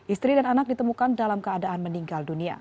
istri dan anak ditemukan dalam keadaan meninggal dunia